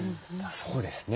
そうですね。